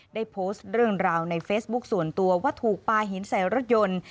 ได้โพสต์เรื่องราวในเฟซบุ๊คส่วนตัวว่าถูกปลาหินใส่รถยนต์